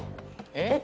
えっ？